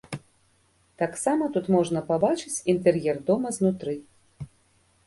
Таксама тут можна пабачыць інтэр'ер дома знутры.